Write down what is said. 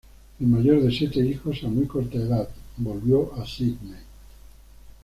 El mayor de siete hijos, a muy corta edad volvió a Sídney.